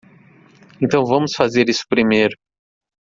Então vamos fazer isso primeiro.